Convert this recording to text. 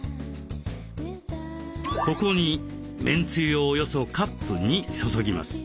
ここにめんつゆをおよそカップ２注ぎます。